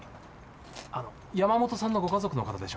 あの山本さんのご家族の方でしょうか？